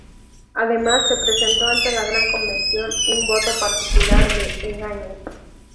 Además, se presentó ante la Gran Convención un voto particular de Egaña.